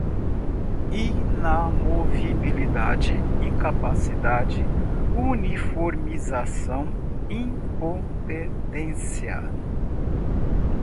inamovibilidade, incapacidade, uniformização, incompetência